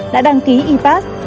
đã đăng ký e pass